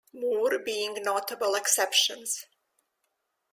Moore being notable exceptions.